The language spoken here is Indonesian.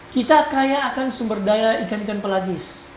kita kaya akan sumber daya ikan ikan pelagis